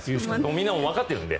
みんなもわかっているんで。